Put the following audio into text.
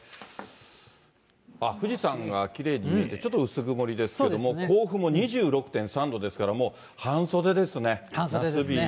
あっ、富士山がきれいに見えて、ちょっと薄曇りですけれども、甲府も２６．３度ですから、もう半袖ですね。